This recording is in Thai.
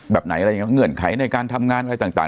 แบบไหนอะไรยังไงเงื่อนไขในการทำงานอะไรต่าง